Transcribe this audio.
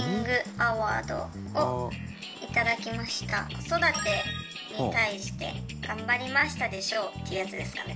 子育てに対して頑張りましたで賞ってやつですかね。